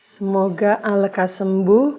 semoga ala kasembuh